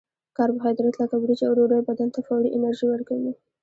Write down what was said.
کاربوهایدریت لکه وریجې او ډوډۍ بدن ته فوري انرژي ورکوي